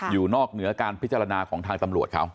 อยู่นอกเหนือการพิจารณาของทางตำรวจเขา